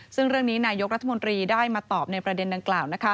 ซึ่งเรื่องนี้นายกรัฐมนตรีได้มาตอบในประเด็นดังกล่าว